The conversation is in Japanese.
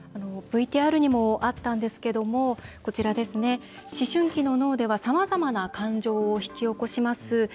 ＶＴＲにもあったんですが思春期の脳ではさまざまな感情を引き起こします